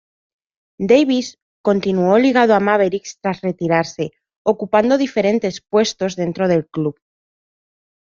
Davis continuó ligado a los Mavericks tras retirarse, ocupando diferentes puestos dentro del club.